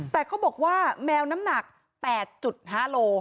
แต่เขาบอกว่าแมวน้ำหนัก๘๕โล